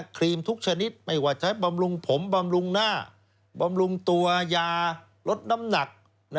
ครีมทุกชนิดไม่ว่าใช้บำรุงผมบำรุงหน้าบำรุงตัวยาลดน้ำหนัก